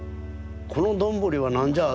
「この丼は何じゃあ？」